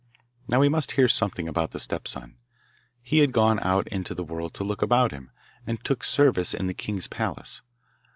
Now we must hear something about the stepson. He had gone out into the world to look about him, and took service in the king's palace.